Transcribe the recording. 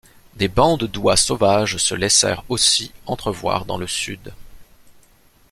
Des bandes d’oies sauvages se laissèrent aussi entrevoir dans le sud.